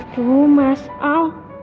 tuh mas al